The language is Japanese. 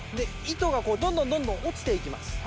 糸がどんどんどんどん落ちて行きます。